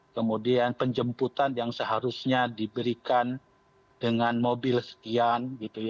kemudian penjemputan yang seharusnya diberikan dengan mobil sekian